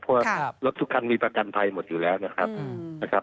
เพราะว่ารถทุกคันมีประกันภัยหมดอยู่แล้วนะครับ